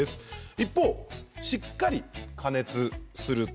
一方しっかり加熱すると